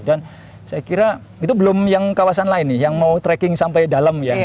dan saya kira itu belum yang kawasan lain nih yang mau tracking sampai dalam ya